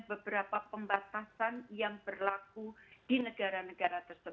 sehingga seperti wuhan seperti diamond princess